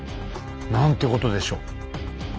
なんてことでしょう。